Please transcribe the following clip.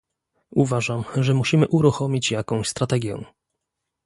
Uważam, że musimy uruchomić jakąś strategię